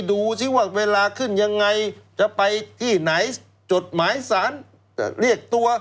ดูสิว่าเวลาขึ้นยังไงจะไปที่ไหนจดหมายสารจะเรียกตัว